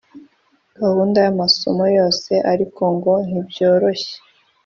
Gahunda y amasomo yose ariko ngo ntibyoroshye